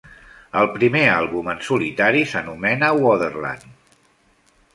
El primer àlbum en solitari s'anomena "Waterland".